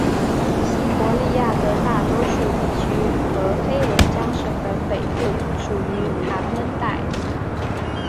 西伯利亚的大多数地区和黑龙江省的北部属于寒温带。